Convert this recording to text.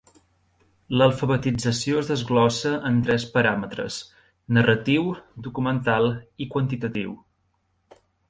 L'alfabetització es desglossa en tres paràmetres: narratiu, documental i quantitatiu.